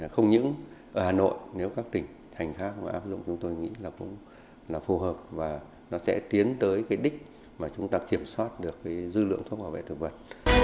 không những ở hà nội nếu các tỉnh thành khác mà áp dụng chúng tôi nghĩ là cũng là phù hợp và nó sẽ tiến tới cái đích mà chúng ta kiểm soát được dư lượng thuốc bảo vệ thực vật